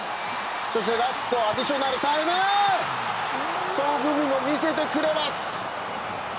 そしてラストアディショナルタイムにソン・フンミンも見せてくれます。